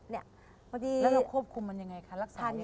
แล้วเราควบคุมมันยังไงคะรักษามันยังไง